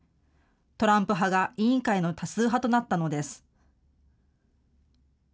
トランプ派が委員会の多数派となったのです。